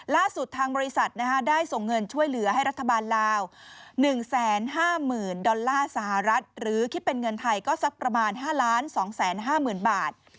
ล่าสุดทางบริษัทได้ส่งเงินช่วยเหลือให้รัฐบาลลาว๑๕๐๐๐ดอลลาร์สหรัฐหรือคิดเป็นเงินไทยก็สักประมาณ๕๒๕๐๐๐บาท